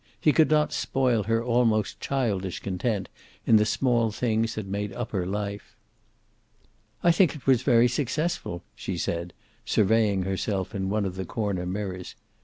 He could not spoil her almost childish content in the small things that made up her life. "I think it was very successful," she said, surveying herself in one of the corner mirrors.